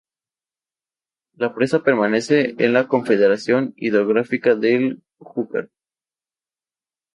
La presa pertenece a la Confederación Hidrográfica del Júcar.